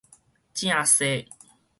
正踅